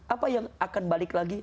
apa yang akan balik lagi